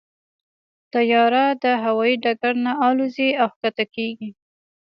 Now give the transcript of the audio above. طیاره د هوايي ډګر نه الوزي او کښته کېږي.